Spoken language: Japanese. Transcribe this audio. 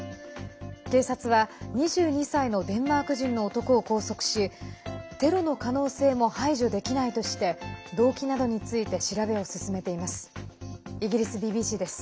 警察は２２歳のデンマーク人の男を拘束しテロの可能性も排除できないとして動機などについて調べを進めています。